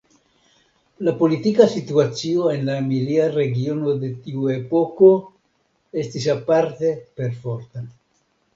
La politika situacio en la Emilia regiono de tiu epoko estis aparte perforta.